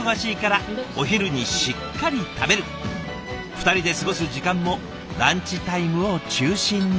二人で過ごす時間もランチタイムを中心に。